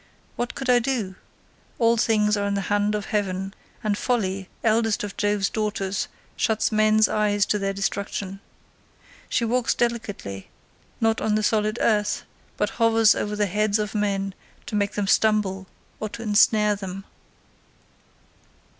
What could I do? All things are in the hand of heaven, and Folly, eldest of Jove's daughters, shuts men's eyes to their destruction. She walks delicately, not on the solid earth, but hovers over the heads of men to make them stumble or to ensnare them.